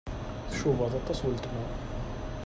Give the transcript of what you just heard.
Tcubaḍ aṭas weltma.